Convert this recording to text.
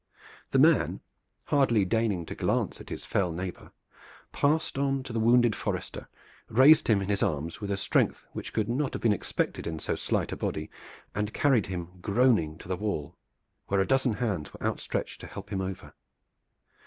The man, hardly deigning to glance at his fell neighbor, passed on to the wounded forester, raised him in his arms with a strength which could not have been expected in so slight a body, and carried him, groaning, to the wall, where a dozen hands were outstretched to help him over.